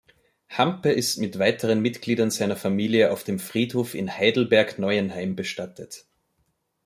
Hampe ist mit weiteren Mitgliedern seiner Familie auf dem Friedhof in Heidelberg-Neuenheim bestattet.